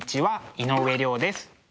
井上涼です。